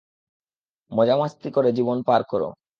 মজা মাস্তি করে জীবন পাড় করো।